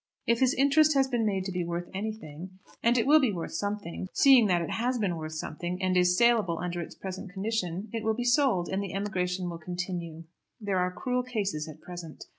If his interest has been made to be worth anything, and it will be worth something, seeing that it has been worth something, and is saleable under its present condition, it will be sold, and the emigration will continue. There are cruel cases at present.